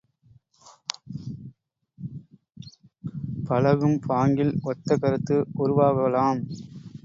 பழகும் பாங்கில் ஒத்த கருத்து உருவாகலாம்.